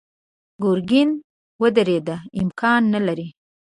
ګرګين ودرېد: امکان نه لري.